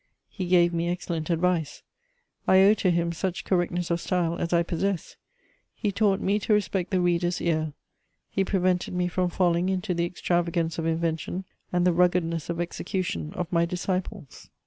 He gave me excellent advice; I owe to him such correctness of style as I possess; he taught me to respect the reader's ear; he prevented me from falling into the extravagance of invention and the ruggedness of execution of my disciples.